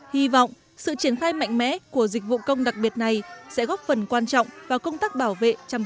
hy vọng sự triển khai mạnh mẽ của dịch vụ công đặc biệt này sẽ góp phần quan trọng vào công tác bảo vệ chăm sóc